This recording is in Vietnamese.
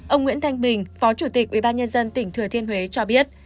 ông nguyễn thanh bình phó chủ tịch ubnd tỉnh thừa thiên huế cho biết